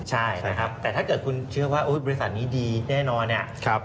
ใช่นะครับแต่ถ้าเกิดคุณเชื่อว่าบริษัทนี้ดีแน่นอนเนี่ย